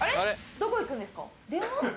どこ行くんですか？